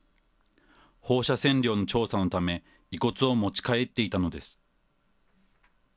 放射線量の調査のため、遺骨を持ち帰っていたのです。